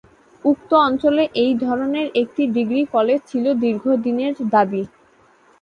উক্ত অঞ্চলে এই ধরনের একটি ডিগ্রি কলেজ ছিল দীর্ঘদিনের দাবি।